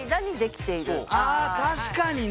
あ確かにな。